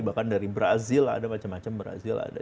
bahkan dari brazil ada macam macam brazil ada